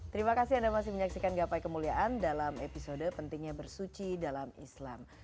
terima kasih anda masih menyaksikan gapai kemuliaan dalam episode pentingnya bersuci dalam islam